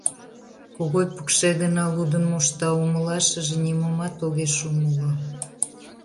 Когой пыкше гына лудын мошта, умылашыже нимомат огеш умыло.